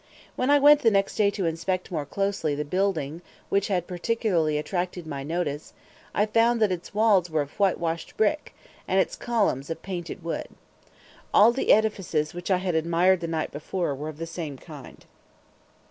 When I went the next day to inspect more closely the building which had particularly attracted my notice, I found that its walls were of whitewashed brick, and its columns of painted wood. All the edifices which I had admired the night before were of the same kind.